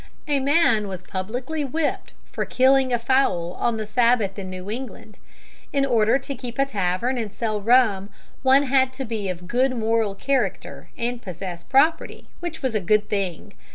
A man was publicly whipped for killing a fowl on the Sabbath in New England. In order to keep a tavern and sell rum, one had to be of good moral character and possess property, which was a good thing.